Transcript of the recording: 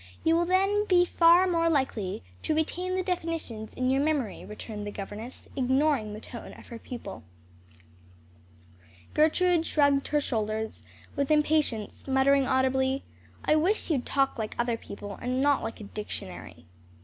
You will then be far more likely to retain the definitions in your memory," returned the governess, ignoring the tone of her pupil. Gertrude shrugged her shoulders, with impatience, muttering audibly, "I wish you'd talk like other people, and not like a dictionary."